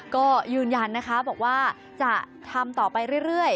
ก็ยืนยันนะคะบอกว่าจะทำต่อไปเรื่อย